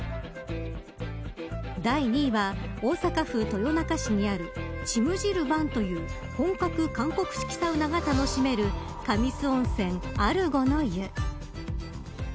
第２位は大阪府豊中市にあるチムジルバンという本格韓国式サウナが楽しめる神洲温泉あるごの湯。